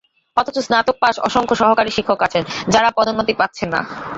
অথচ স্নাতক পাস অসংখ্য সহকারী শিক্ষক আছেন, যাঁরা পদোন্নতি পাচ্ছেন না।